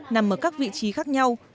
nằm ở các vị trí khác nhau